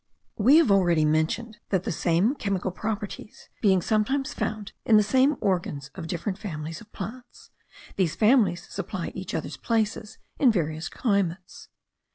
We have already mentioned that the same chemical properties being sometimes found in the same organs of different families of plants, these families supply each other's places in various climates.